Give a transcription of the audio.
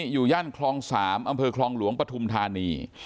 ย่านคลอง๓อำเภอคลองหลวงปฐุมธานี